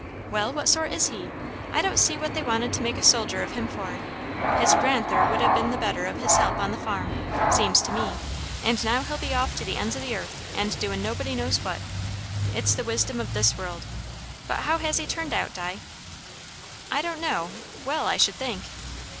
"Well, what sort is he? I don't see what they wanted to make a soldier of him for; his grand'ther would ha' been the better o' his help on the farm, seems to me; and now he'll be off to the ends o' the earth, and doin' nobody knows what. It's the wisdom o' this world. But how has he turned out, Die?" "I don't know; well, I should think."